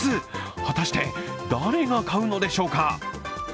果たして誰が買うのでしょうか。